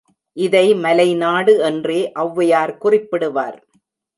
இதை மலைநாடு என்றே ஒளவையார் குறிப்பிடுவார்.